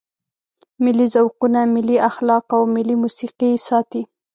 ملي ذوقونه، ملي اخلاق او ملي موسیقي ساتي.